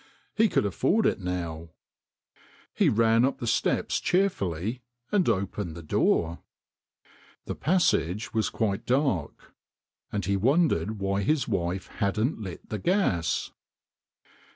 He could afford it now. He ran up the steps cheerfully and opened the door. The passage was quite dark, and he wondered why his wife hadn't lit the gas.